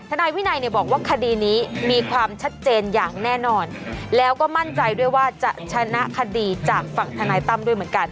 นายวินัยเนี่ยบอกว่าคดีนี้มีความชัดเจนอย่างแน่นอนแล้วก็มั่นใจด้วยว่าจะชนะคดีจากฝั่งธนายตั้มด้วยเหมือนกัน